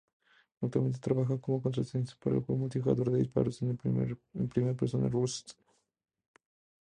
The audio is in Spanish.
Actualmente trabaja como contratista para el juego multijugador de disparos en primera persona "Rust".